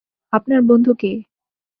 আপনার বন্ধু কে?